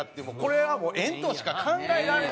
これはもう縁としか考えられないですね